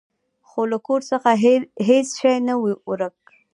خو له کور څخه هیڅ شی نه و ورک.